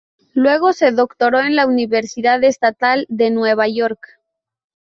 Luego se doctoró en la Universidad Estatal de Nueva York.